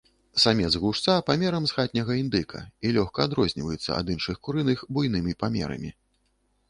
Самец глушца памерам з хатняга індыка і лёгка адрозніваецца ад іншых курыных буйнымі памерамі.